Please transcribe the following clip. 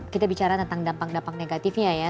kita bicara tentang dampak dampak negatifnya ya